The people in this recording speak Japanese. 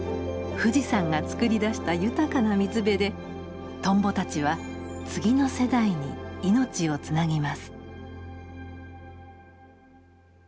富士山がつくり出した豊かな水辺でトンボたちは次の世代に命をつなぎます。